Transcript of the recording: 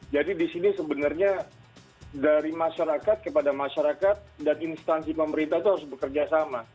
jadi di sini sebenarnya dari masyarakat kepada masyarakat dan instansi pemerintah itu harus bekerja sama